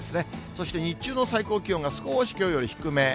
そして日中の最高気温が少しきょうより低め。